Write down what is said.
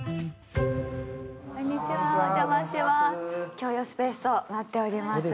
共用スペースとなっております。